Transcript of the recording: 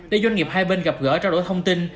để doanh nghiệp hai bên gặp gỡ trao đổi thông tin